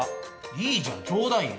いいじゃんちょうだいよ。